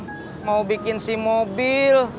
abis dari tempat bikin si mobil